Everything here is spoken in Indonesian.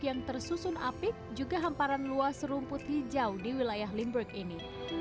yang tersusun apik juga hamparan luas rumput hijau di wilayah limberg ini